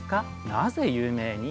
なぜ有名に？